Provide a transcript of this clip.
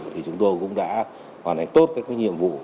thì chúng tôi cũng đã hoàn thành tốt các nhiệm vụ